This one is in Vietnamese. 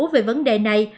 về vấn đề này